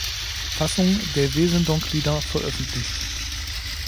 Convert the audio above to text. Fassung der Wesendonck-Lieder veröffentlicht.